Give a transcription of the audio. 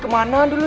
gapapa dong kee